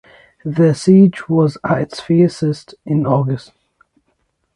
The siege was at its fiercest in August.